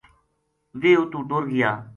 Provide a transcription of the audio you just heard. ویہ اتو ٹر گیا